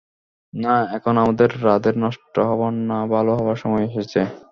না, এখন আমাদের রাধের নষ্ট হবার না ভালো হবার সময় এসেছে।